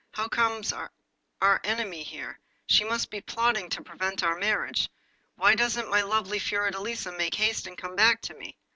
'How comes our enemy here? She must be plotting to prevent our marriage. Why doesn't my lovely Fiordelisa make haste and come hack to me?